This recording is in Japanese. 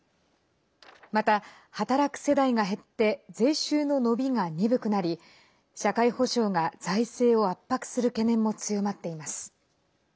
また、働く世代が減って税収の伸びが鈍くなり社会保障が財政を圧迫する懸念も強まっています。